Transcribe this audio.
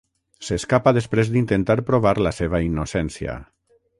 S'escapa després d'intentar provar la seva innocència.